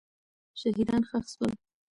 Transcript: شهیدان ښخ سول.